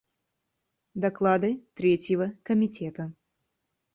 Доклады Третьего комитета.